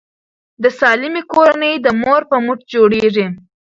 د سالمې کورنۍ د مور په مټه جوړیږي.